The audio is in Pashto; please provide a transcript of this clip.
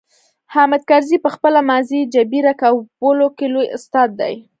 حامد کرزي په خپله ماضي جبيره کولو کې لوی استاد دی.